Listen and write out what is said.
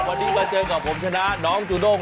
วันนี้มาเจอกับผมชนะน้องจูด้ง